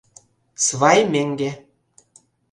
Свай меҥге...